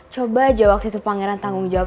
coba aja waktu itu pangeran tanggung jawab